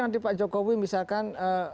nanti pak jokowi misalkan